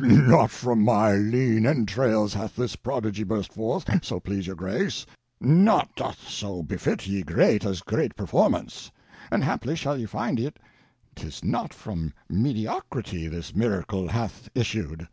Not from my leane entrailes hath this prodigy burst forth, so please your grace. Naught doth so befit ye grete as grete performance; and haply shall ye finde yt 'tis not from mediocrity this miracle hath issued.